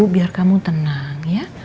biar kamu tenang ya